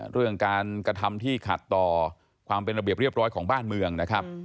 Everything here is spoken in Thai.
เรื่องการกระทำที่ขัดต่อความเป็นระเบียบเรียบร้อยของบ้านเมืองนะครับ